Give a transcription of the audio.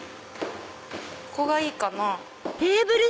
ここがいいかな？